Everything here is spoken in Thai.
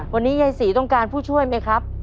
วันนี้ยายศรีต้องการผู้ช่วยไหมครับ